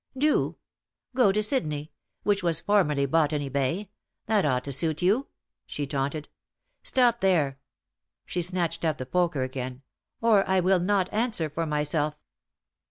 "Do. Go to Sydney which was formerly Botany Bay. That ought to suit you," she taunted. "Stop there," she snatched up the poker again, "or I will not answer for myself."